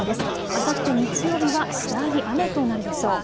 あさって日曜日は次第に雨となるでしょう。